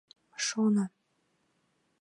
шоно.